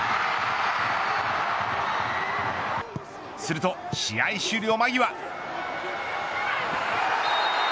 すると試合終了間際。